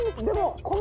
でも。